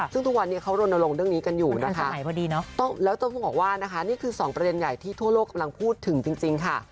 ซึ่งทุกวันนี้เขารณรงค์เรื่องนี้กันอยู่นะคะแล้วต้องบอกว่านะคะนี่คือสองประเด็นใหญ่ที่ทั่วโลกกำลังพูดถึงจริงค่ะ